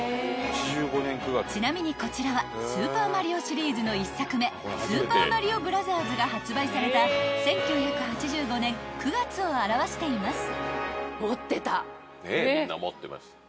［ちなみにこちらは『スーパーマリオ』シリーズの１作目『スーパーマリオブラザーズ』が発売された１９８５年９月を表しています］